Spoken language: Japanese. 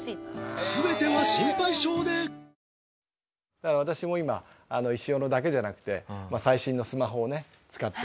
だから私も今石斧だけじゃなくて最新のスマホをね使って。